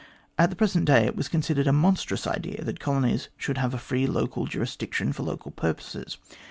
At the present day it was considered a monstrous idea that colonies should have free local juris diction for local purposes.